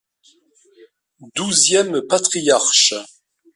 Douzième Patriarche.